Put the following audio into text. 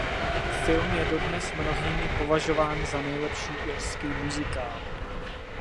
Film je dodnes mnohými považován za nejlepší irský muzikál.